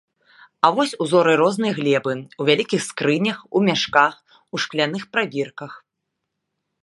А вось узоры рознай глебы ў вялікіх скрынях, у мяшках, у шкляных прабірках.